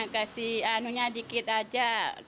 kasih anunya dikit aja